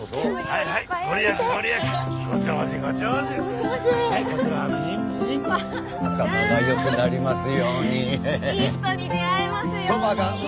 いい人に出会えますように。